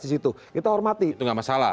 di situ kita hormati itu enggak masalah